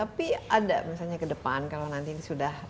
tapi ada misalnya kedepan kalau nanti sudah